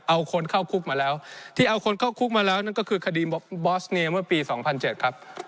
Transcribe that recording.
เอาคนเข้าคุกมาแล้วที่เอาคนเข้าคุกมาแล้วนั่นก็คือคดีบอสเนียเมื่อปี๒๐๐๗ครับ